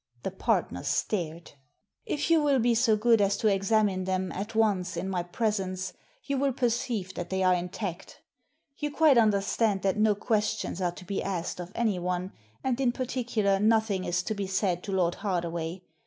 The partners stared. "If you will be so good as to examine them, at once, in my presence, you will perceive that they are intact You quite understand, that no questions are to be asked of Digitized by VjOOQIC 262 THE SEEN AND THE UNSEEN anyone, and, in particular, nothing is to be said to Lord Hardaway.